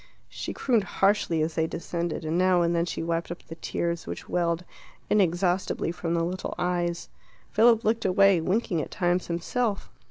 She crooned harshly as they descended, and now and then she wiped up the tears which welled inexhaustibly from the little eyes. Philip looked away, winking at times himself.